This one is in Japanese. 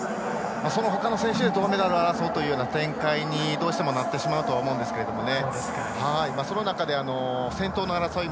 そのほかの選手で銅メダルを争うという展開になってしまうと思うんですけどね。